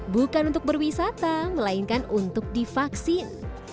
bukan untuk berwisata melainkan untuk divaksin